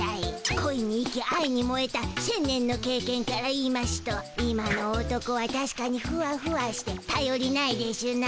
こいに生きあいにもえた１，０００年のけいけんから言いましゅと今の男はたしかにふわふわしてたよりないでしゅな。